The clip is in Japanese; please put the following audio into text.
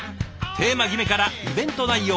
テーマ決めからイベント内容